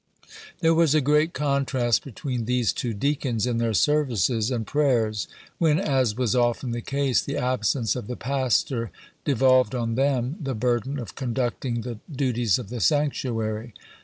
There was a great contrast between these two deacons in their services and prayers, when, as was often the case, the absence of the pastor devolved on them the burden of conducting the duties of the sanctuary.